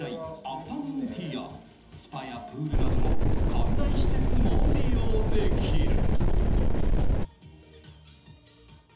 アフタヌーンティーやスパやプールなどの館内施設も利用できる。